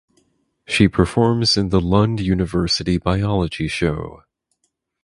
She performs in the Lund University Biology Show.